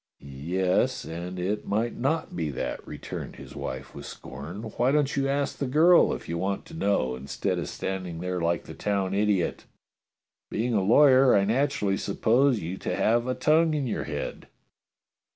"Yes, and it might not be that," returned his wife with scorn. "Why don't you ask the girl if you want to know, instead of standing there like the town idiot? Being a lawyer, I naturally suppose you to have a tongue in your head."